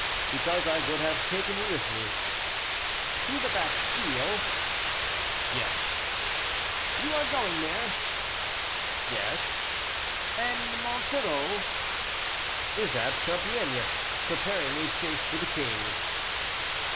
"Because I would have taken you with me." "To the Bastile?" "Yes." "You are going there?" "Yes." "And Monsoreau?" "Is at Compiègne, preparing a chase for the king."